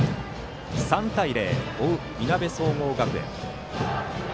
３対０と追う、いなべ総合学園。